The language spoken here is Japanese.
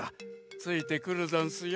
ついてくるざんすよ。